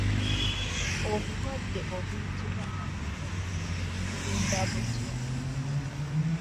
Obulwadde obuyitibwa akanyegezi bubeera butya ?